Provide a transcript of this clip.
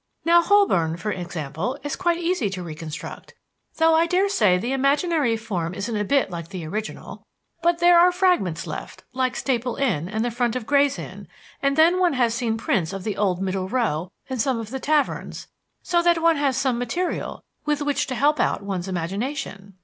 "Now Holborn, for example, is quite easy to reconstruct, though I daresay the imaginary form isn't a bit like the original. But there are fragments left, like Staple Inn and the front of Gray's Inn; and then one has seen prints of the old Middle Row and some of the taverns, so that one has some material with which to help out one's imagination.